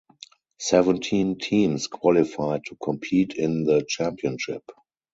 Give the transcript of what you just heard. Seventeen teams qualified to compete in the championship.